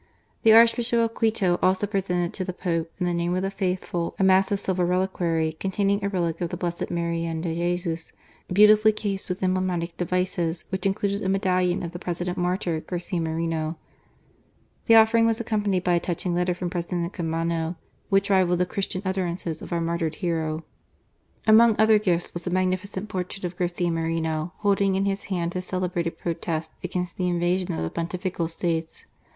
The Archbishop of Quito also presented to the Pope, in the name of the faithful, a massive silver reliquary containing a relic of the Blessed Marianne de Jesus, beautifully chased with emblematic devices, which included a medallion of the President Martyr, THE REPUBLIC OF THE SACRED HEART. 331 Garcia Moreno. The offering was accompanied by a touching letter from President Caamano, which rivalled the Christian utterances of our martyred hero. Among other gifts was a magnificent portrait of Garcia Moreno, holding in his hand his celebrated protest against the invasion of the Pontifical States.